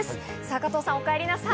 加藤さん、おかえりなさい。